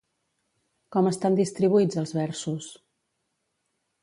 Com estan distribuïts els versos?